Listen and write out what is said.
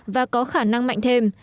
và có khả năng mạnh thêm